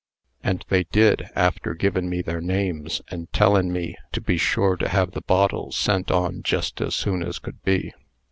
And they did, after givin' me their names, and tellin' me to be sure to have the bottles sent on jest as soon as could be.